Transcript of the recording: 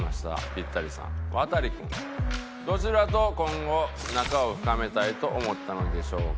ピッタリさんワタリ君どちらと今後仲を深めたいと思ったのでしょうか？